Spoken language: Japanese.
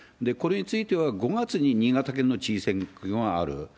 これについては５月に新潟県の知事選挙がある。